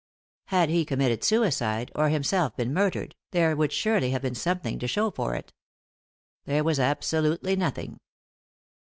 Had he committed suicide, or himself been murdered, there would surely have been something to show for it. There was absolutely nothing.